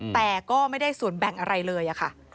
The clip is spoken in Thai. แต่ก็ไม่ได้ส่วนแบ่งอะไรเลยค่ะ